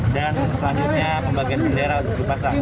dan selanjutnya membagikan bendera untuk dipasang